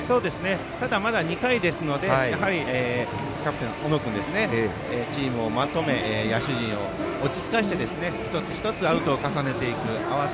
ただ、まだ２回ですのでキャプテンの小野君チームをまとめ野手陣を落ち着かせて一つ一つアウトを重ねていく。